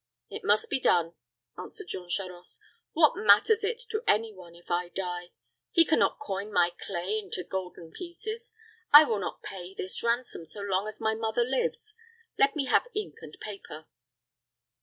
"It must be done," answered Jean Charost. "What matters it to any one if I die? He can not coin my clay into golden pieces. I will not pay this ransom so long as my mother lives. Let me have ink and paper."